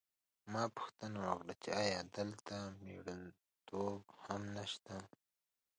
ما پوښتنه وکړه چې ایا دلته مېړنتوب هم نشته